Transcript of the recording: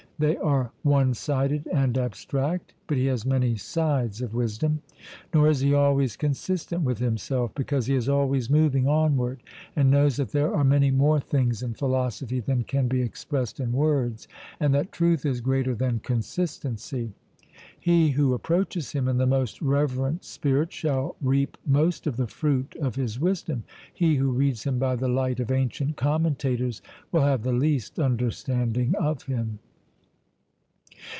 They are one sided and abstract; but he has many sides of wisdom. Nor is he always consistent with himself, because he is always moving onward, and knows that there are many more things in philosophy than can be expressed in words, and that truth is greater than consistency. He who approaches him in the most reverent spirit shall reap most of the fruit of his wisdom; he who reads him by the light of ancient commentators will have the least understanding of him.